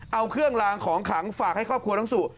เอาเครื่องลางของขังฝากให้ครอบครัวน้องสุ